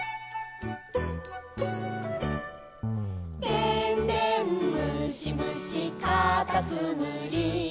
「でんでんむしむしかたつむり」